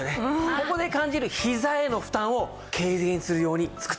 ここで感じるひざヘの負担を軽減するように作ってます。